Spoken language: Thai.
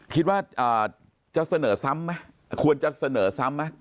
คิดว่าจะเสนอซ้ำมั้ยควรจะเสนอซ้ำมั้ย